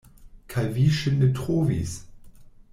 Kaj vi ŝin ne trovis?